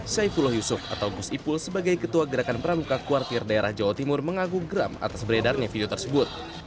saifullah yusuf atau gus ipul sebagai ketua gerakan pramuka kuartir daerah jawa timur mengaku geram atas beredarnya video tersebut